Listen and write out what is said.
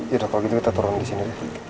yaudah kalau gitu kita turun di sini